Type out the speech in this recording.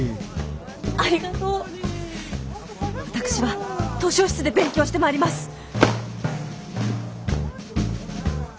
私は図書室で勉強してまいります！